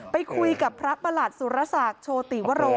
ไปคุยกับพระประหลัดสุรศักดิ์โชติวโร